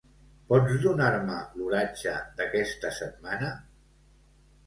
Pots donar-me l'oratge d'aquesta setmana?